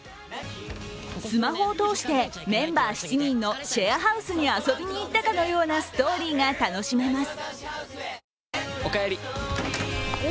スマホを通してメンバー７人のシェアハウスに遊びに行ったかのようなストーリーが楽しめます。